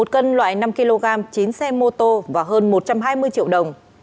một cân loại năm kg chín xe mô tô và hơn một trăm hai mươi triệu đồng